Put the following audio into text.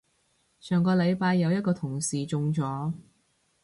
上個禮拜有一個同事中咗